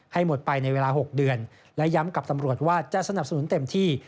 ให้หมดไปในเวลา๖เดือนและย้ำกับตำรวจว่าจะสนับสนุนเต็มที่